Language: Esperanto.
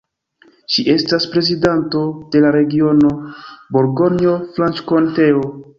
Ŝi estas prezidanto de la regiono Burgonjo-Franĉkonteo.